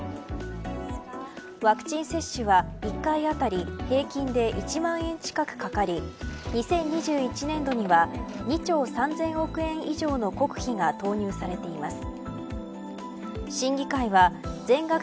ワクチン接種は１回当たり平均で１万円近くかかり２０２１年度には２兆３０００億円以上の国費が投入されています。